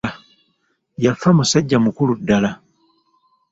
Yafa musajja mukulu ddala.